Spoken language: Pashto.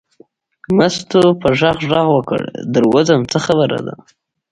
مستو په غږ غږ وکړ در وځم څه خبره ده.